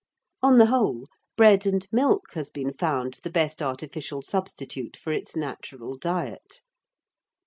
On the whole, bread and milk has been found the best artificial substitute for its natural diet.